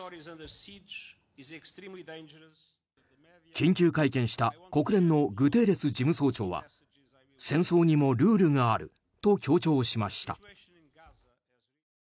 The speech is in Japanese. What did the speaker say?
緊急会見した国連のグテーレス事務総長は戦争にもルールがあると強調しました。